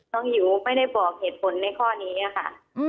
หิวไม่ได้บอกเหตุผลในข้อนี้ค่ะ